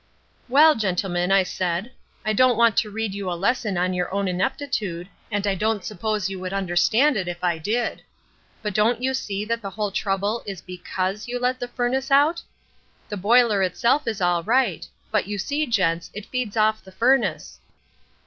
"'Well, gentlemen,' I said, 'I don't want to read you a lesson on your own ineptitude, and I don't suppose you would understand it if I did. But don't you see that the whole trouble is because you let the furnace out? The boiler itself is all right, but you see, gents, it feeds off the furnace.'